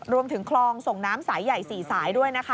รวมถึงคลองส่งน้ำสายใหญ่๔สายด้วยนะคะ